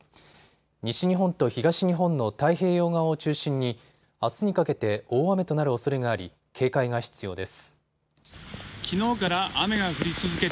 西日本と東日本の太平洋側を中心にあすにかけて大雨となるおそれがあり、警戒が必要です。